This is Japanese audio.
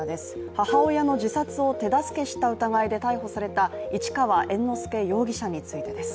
母親の自殺を手助けした疑いで逮捕された市川猿之助容疑者についてです。